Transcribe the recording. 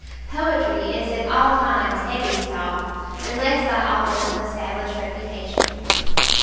Poetry is at all times heavy stock, unless by authors of established reputation."